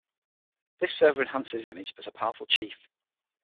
This further enhanced his image as a powerful chief.